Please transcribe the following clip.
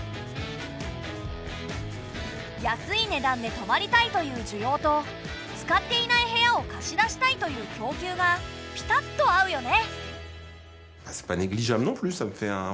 安い値段で泊まりたいという需要と使っていない部屋を貸し出したいという供給がピタッと合うよね。